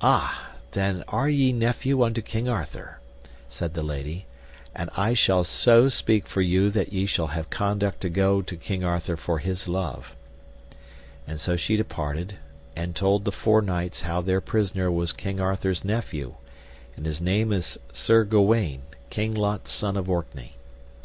Ah! then are ye nephew unto King Arthur, said the lady, and I shall so speak for you that ye shall have conduct to go to King Arthur for his love. And so she departed and told the four knights how their prisoner was King Arthur's nephew, and his name is Sir Gawaine, King Lot's son of Orkney.